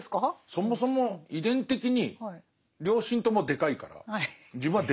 そもそも遺伝的に両親ともでかいから自分はでかいわけですよ。